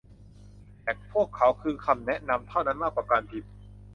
แค่พวกเขาคือคำแนะนำเท่านั้นมากกว่าการพิมพ์